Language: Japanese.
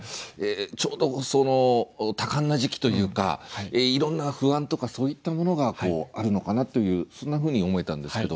ちょうど多感な時期というかいろんな不安とかそういったものがあるのかなというそんなふうに思えたんですけど。